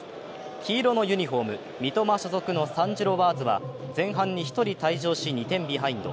黄色のユニフォーム、三笘所属のサンジロワーズは前半に１人退場し２点ビハインド。